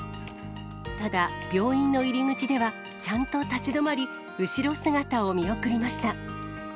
ただ、病院の入り口ではちゃんと立ち止まり、後ろ姿を見送りました。